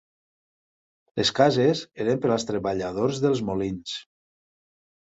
Les cases eren per als treballadors dels molins.